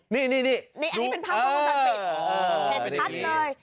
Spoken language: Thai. นี่นี่เป็นถอดวงจรปิด